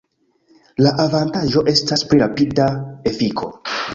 La avantaĝo estas pli rapida efiko.